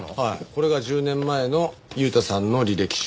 これが１０年前の悠太さんの履歴書。